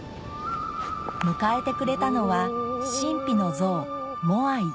迎えてくれたのは神秘の像モアイ